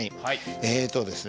えっとですね